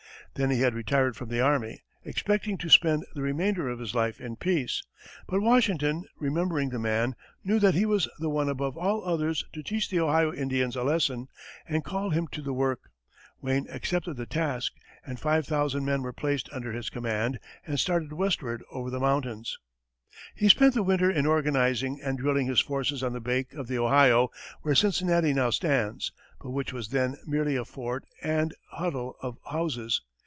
Then he had retired from the army, expecting to spend the remainder of his life in peace; but Washington, remembering the man, knew that he was the one above all others to teach the Ohio Indians a lesson, and called him to the work. Wayne accepted the task, and five thousand men were placed under his command and started westward over the mountains. He spent the winter in organizing and drilling his forces on the bank of the Ohio where Cincinnati now stands, but which was then merely a fort and huddle of houses.